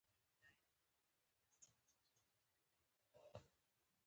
نورګا کاکا : شفيق د خداى نمراد او نيمه خوا کړي.